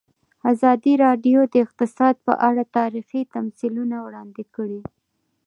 ازادي راډیو د اقتصاد په اړه تاریخي تمثیلونه وړاندې کړي.